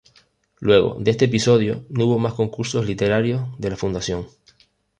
Luego de este episodio, no hubo más concursos literarios de la Fundación.